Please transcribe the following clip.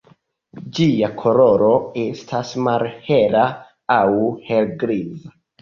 Ĝia koloro estas malhela aŭ helgriza.